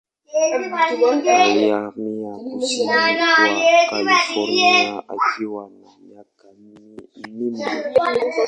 Alihamia kusini mwa California akiwa na miaka minne.